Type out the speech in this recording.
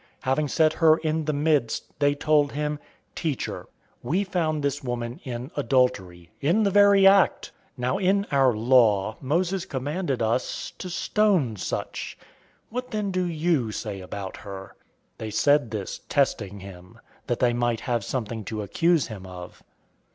Having set her in the midst, 008:004 they told him, "Teacher, we found this woman in adultery, in the very act. 008:005 Now in our law, Moses commanded us to stone such.{Leviticus 20:10; Deuteronomy 22:22} What then do you say about her?" 008:006 They said this testing him, that they might have something to accuse him of.